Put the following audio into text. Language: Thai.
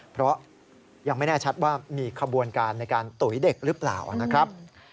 เพราะยังไม่แน่ชัดว่ามีขบวนการในการตุ๋ยเด็กหรือเปล่านะครับ